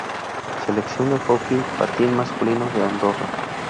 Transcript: Selección de hockey patín masculino de Andorra